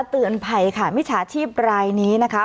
เตือนภัยค่ะมิจฉาชีพรายนี้นะคะ